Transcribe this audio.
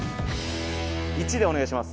１でお願いします。